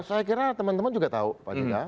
saya kira teman teman juga tahu pak jk